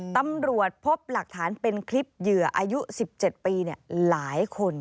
ตำรวจพบหลักฐานเป็นคลิปเหยื่ออายุ๑๗ปีหลายคน